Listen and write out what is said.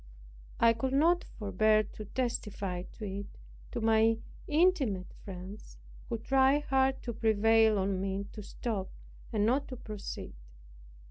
I could not forbear to testify it to my most intimate friends, who tried hard to prevail on me to stop, and not to proceed.